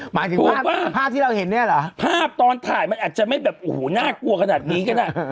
หมายถึงถูกป่ะภาพที่เราเห็นเนี่ยเหรอภาพตอนถ่ายมันอาจจะไม่แบบโอ้โหน่ากลัวขนาดนี้ก็ได้